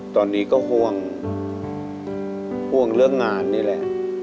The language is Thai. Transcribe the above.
ตอนนี้ก็ห่วงห่วงเรื่องงานนี่แหละ